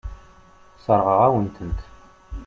Sseṛɣeɣ-awen-tent.